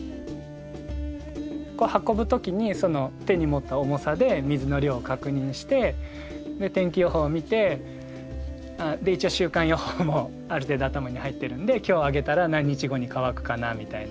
こう運ぶ時にその手に持った重さで水の量を確認してで天気予報を見て一応週間予報もある程度頭に入ってるんで今日あげたら何日後に乾くかなみたいな。